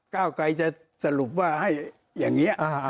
ก้าวไกรจะสรุปว่าให้อย่างนี้